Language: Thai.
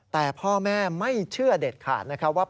แต่พ่อแม่ไม่เชื่อเด็ดขาดนะครับว่า